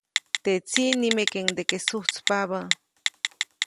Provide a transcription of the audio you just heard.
Teʼ tsiʼ nimekeʼuŋdeke sujtspabä.